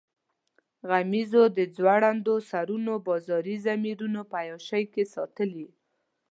غمیزو د ځوړندو سرونو بازاري ضمیرونه په عیاشۍ کې ساتلي.